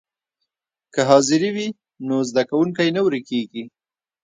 که حاضري وي نو زده کوونکی نه ورکېږي.